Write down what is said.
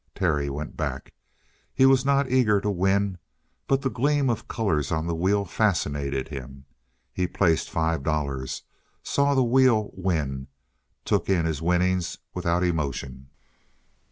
Terry went back. He was not eager to win; but the gleam of colors on the wheel fascinated him. He placed five dollars, saw the wheel win, took in his winnings without emotion.